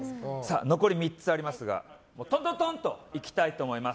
残り３つありますがととととんといきたいと思います。